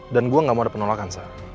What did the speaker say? dan gue gak mau ada penolakan sa